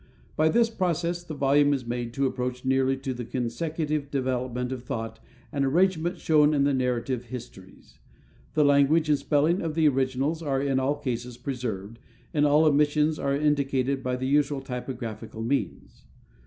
By this process, the volume is made to approach nearly to the consecutive development of thought and arrangement shown in the narrative histories. The language and spelling of the originals are in all cases preserved, and all omissions are indicated by the usual typographical means.